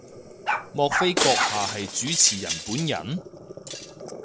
莫非閣下係主持人本人？